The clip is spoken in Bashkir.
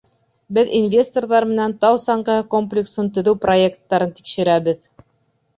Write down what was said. — Беҙ инвесторҙар менән тау саңғыһы комплексын төҙөү проекттарын тикшерәбеҙ.